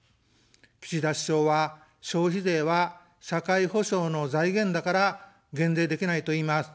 岸田首相は、「消費税は社会保障の財源だから減税できない」といいます。